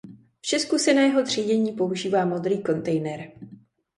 V Česku se na jeho třídění používá modrý kontejner.